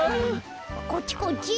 こっちこっち。